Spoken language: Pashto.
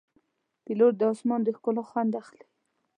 پیلوټ د آسمان د ښکلا خوند اخلي.